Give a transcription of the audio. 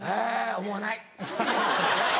思わない。